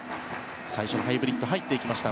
最初のハイブリッド入ってきました。